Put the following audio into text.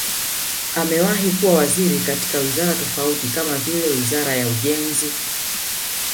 Amewahi kuwa waziri katika wizara tofauti kama vile Wizara ya Ujenzi